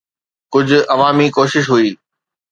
ڪجهه عوامي ڪوشش هئي.